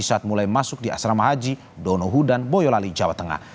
saat mulai masuk di asrama haji donohudan boyolali jawa tengah